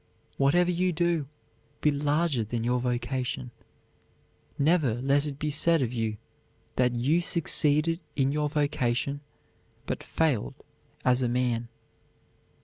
Whatever you do, be larger than your vocation; never let it be said of you that you succeeded in your vocation, but failed as a man.